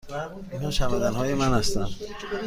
اینها چمدان های من هستند.